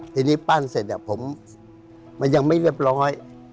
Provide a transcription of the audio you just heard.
ทีนี้ปั้นเสร็จผมมันยังไม่เรียบร้อย